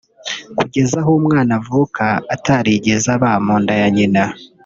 kugeza aho umwana avuka atarigeze aba mu nda ya nyina